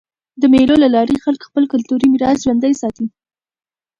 د مېلو له لاري خلک خپل کلتوري میراث ژوندى ساتي.